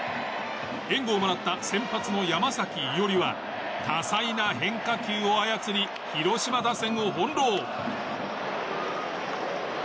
援護をもらった先発の山崎伊織は多彩な変化球を繰り広島打線を翻弄。